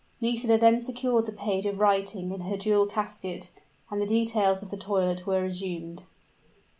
Nisida then secured the page of writing in her jewel casket; and the details of the toilet were resumed.